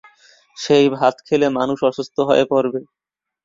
সেই ভাত খেলে মানুষ অসুস্থ হয়ে পড়বে।